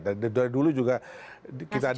dari dulu juga kita ada